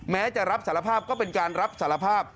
แม้จะรับสารภาพก็เป็นการรับสารภาพ